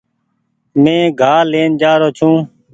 مينٚ گھاه لين جآرو ڇوٚنٚ